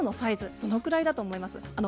どのくらいだと思いますか。